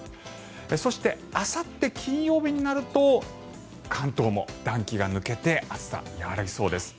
そして、あさって金曜日になると関東も暖気が抜けて暑さ、和らぎそうです。